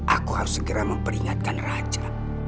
aku harus segera memperingatkan raja